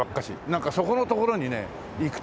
なんかそこの所にね行くという事で。